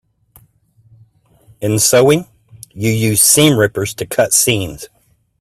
In sewing, you use seam rippers to cut seams.